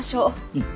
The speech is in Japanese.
うん。